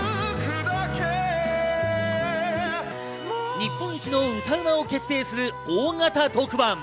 日本一の歌うまを決定する大型特番